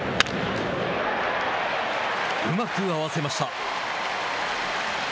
うまく合わせました。